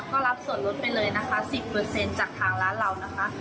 ก็รับส่วนลดไปเลยนะคะ๑๐จากทางร้านเรานะคะ